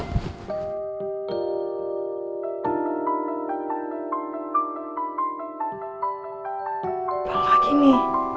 siapa sih ini